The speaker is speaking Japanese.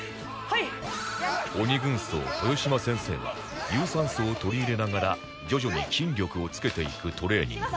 鬼軍曹豊島先生は有酸素を取り入れながら徐々に筋力をつけていくトレーニング